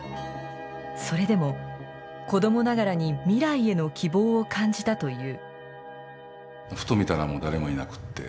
それでも子供ながらに未来への希望を感じたという。